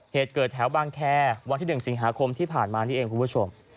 เหตุเกิดแถวบางแคร์วันที่๑สิงหาคมที่ผ่านมานี่เองคุณผู้ชม